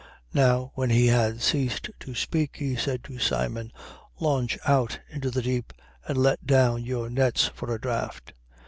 5:4. Now when he had ceased to speak, he said to Simon: Launch out into the deep and let down your nets for a draught.